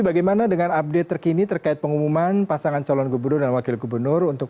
bagaimana dengan update terkini terkait pengumuman pasangan calon gubernur dan wakil gubernur untuk